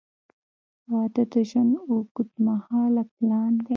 • واده د ژوند اوږدمهاله پلان دی.